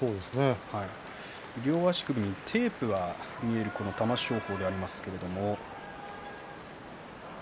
両足首にテープが見える玉正鳳ですが。